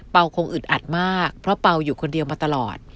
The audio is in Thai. คงอึดอัดมากเพราะเปล่าอยู่คนเดียวมาตลอด